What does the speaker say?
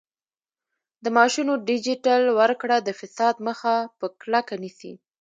د معاشونو ډیجیټل ورکړه د فساد مخه په کلکه نیسي.